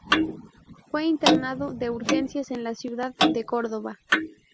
Fue internado de urgencia en la ciudad de Córdoba.